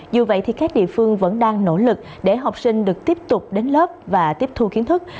dù vậy thì các địa phương vẫn đang nỗ lực để học sinh được tiếp tục đến lớp và tiếp thu kiến thức